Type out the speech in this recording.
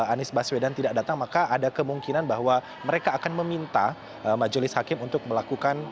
anies baswedan tidak datang maka ada kemungkinan bahwa mereka akan meminta majelis hakim untuk melakukan